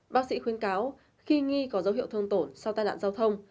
bác sĩ khuyên cáo khi nghi có dấu hiệu thương tổn sau tai nạn giao thông